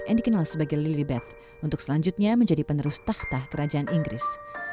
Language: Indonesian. yang dikenal sebagai lili beth untuk selanjutnya menjadi penerus tahta kerajaan inggris